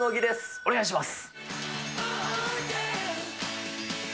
お願いします。